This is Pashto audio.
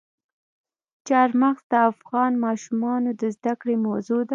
چار مغز د افغان ماشومانو د زده کړې موضوع ده.